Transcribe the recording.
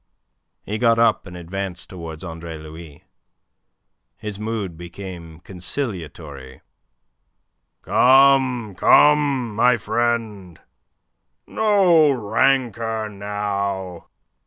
He got up, and advanced towards Andre Louis. His mood became conciliatory. "Come, come, my friend, no rancour now.